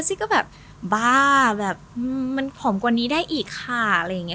ซี่ก็แบบบ้าแบบมันผอมกว่านี้ได้อีกค่ะอะไรอย่างนี้